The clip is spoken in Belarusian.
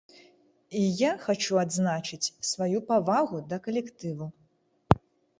І я хачу адзначыць сваю павагу да калектыву.